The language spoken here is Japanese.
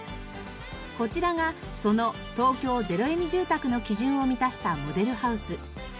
こちらがその東京ゼロエミ住宅の基準を満たしたモデルハウス。